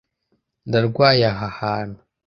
Ndarwaye aha hantu.